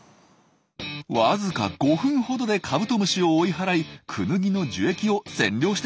わずか５分ほどでカブトムシを追い払いクヌギの樹液を占領してしまいました。